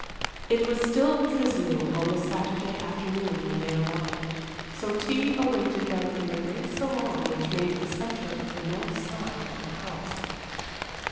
It was still drizzling on the Saturday afternoon when they arrived. So tea awaited them in the great saloon which made the centre of the north side of the house.